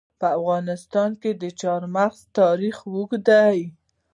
په افغانستان کې د چار مغز تاریخ اوږد دی.